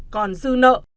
còn dư nợ